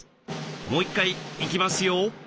もう１回いきますよ。